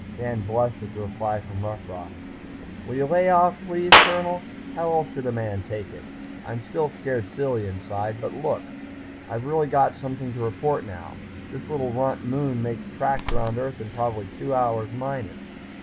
Dan blushed at the reply from Rough Rock. "Will you lay off please, Colonel? How else should a man take it? I'm still scared silly inside. But, look, I've really got something to report now. This little runt moon makes tracks around Earth in probably two hours minus.